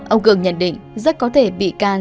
ông cường nhận định rất có thể bị can